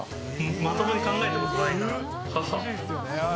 まともに考えたことないな。